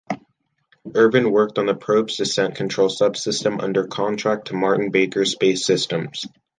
Irvin worked on the probe's descent control sub-system under contract to Martin-Baker Space Systems.